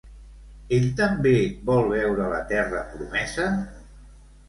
Ell també vol veure la terra promesa?